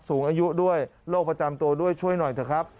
สูงอายุด้วยโรคประจำตัวด้วยช่วยหน่อยเถอะครับ